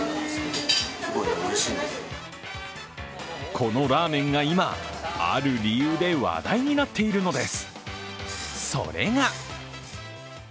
このラーメンが今、ある理由で話題になっているのです。